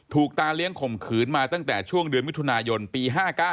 ตาเลี้ยงข่มขืนมาตั้งแต่ช่วงเดือนมิถุนายนปี๕๙